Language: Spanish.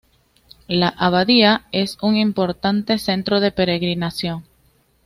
La abadía es un importante centro de peregrinación.